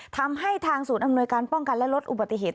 ทำให้ทางศูนย์อำนวยการป้องกันและลดอุบัติเหตุ